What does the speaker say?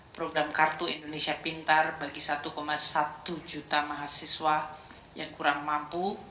program kartu indonesia pintar bagi satu satu juta mahasiswa yang kurang mampu